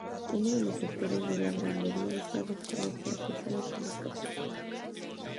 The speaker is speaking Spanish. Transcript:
Uno de los sectores de la gradería estás adaptado para personas con discapacidad.